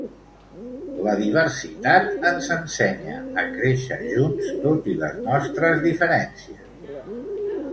La diversitat ens ensenya a créixer junts, tot i les nostres diferències.